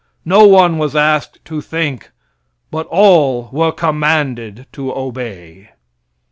No one was asked to think, but all were commanded to obey.